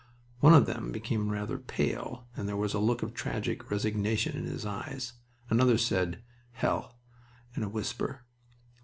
One of them became rather pale, and there was a look of tragic resignation in his eyes. Another said, "Hell!" in a whisper.